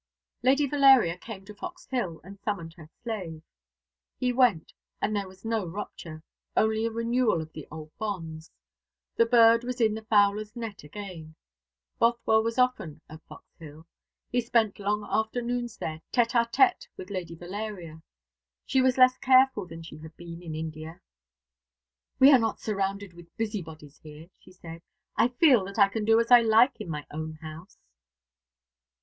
Lady Valeria came to Fox Hill, and summoned her slave. He went, and there was no rupture only a renewal of the old bonds. The bird was in the fowler's net again. Bothwell was often at Fox Hill. He spent long afternoons there tête à tête with Lady Valeria. She was less careful than she had been in India. "We are not surrounded with busybodies here," she said. "I feel that I can do as I like in my own house."